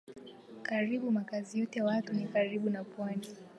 Karibu makazi yote ya watu ni karibu na pwani.